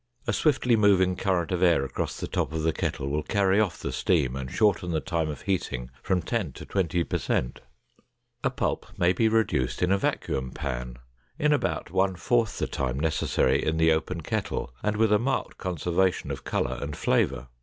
A swiftly moving current of air across the top of the kettle will carry off the steam and shorten the time of heating from ten to twenty per cent. A pulp may be reduced in a vacuum pan in about one fourth the time necessary in the open kettle and with a marked conservation of color and flavor.